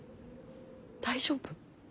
大丈夫？